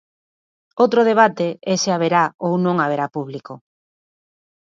Outro debate é se haberá ou non haberá público.